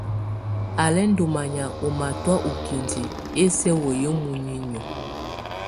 Á lɛ̀ ndù manyà ù matɔ̀́á u kindiǝ ɛsɛ̀á wayɛ̀á muninyǝ́.